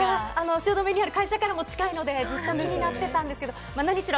汐留にある会社からも近いので気になってたんですけれども、何しろ